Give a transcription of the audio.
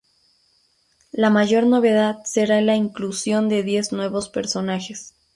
La mayor novedad será la inclusión de diez nuevos personajes.